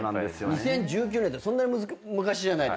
２０１９年ってそんなに昔じゃない。